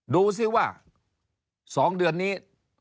ดูสิว่า๒เดือนนี้